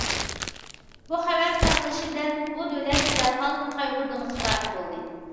بۇ خەۋەر تارقىلىشى بىلەن بۇ دۆلەت دەرھال قايغۇ دېڭىزىغا غەرق بولدى.